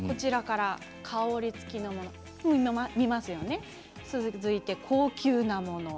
香りつきのもの、続いて高級なもの